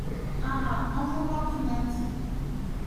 Ah ! envoie-moi Prunette !…